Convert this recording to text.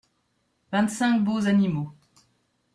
Vingt-cinq beaux animaux.